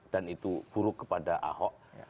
dan itu buruk kepada ahok